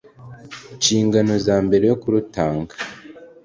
nshingano ze mbere yo kurutanga